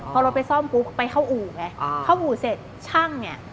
พอรถไปซ่อมปุ๊บไปเข้าอู่ไงเข้าอู่เสร็จช่างเนี่ย